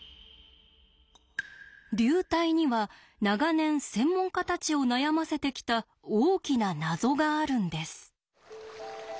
流体には長年専門家たちを悩ませてきた大きな謎があるんです。